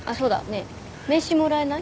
ねえ名刺もらえない？